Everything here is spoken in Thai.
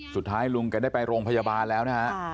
สุดท้ายลุงแกได้ไปโรงพยาบาลแล้วนะฮะ